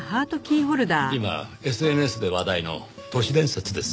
今ＳＮＳで話題の都市伝説ですよ。